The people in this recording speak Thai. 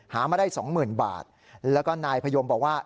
มาได้๒๐๐๐บาทแล้วก็นายพยมบอกว่า